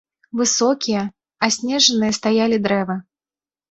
Высокія, аснежаныя стаялі дрэвы.